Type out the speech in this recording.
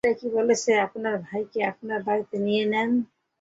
এটাই কি বলেছে আপনার ভাইকে আপনার বাড়িতে নিয়েন না?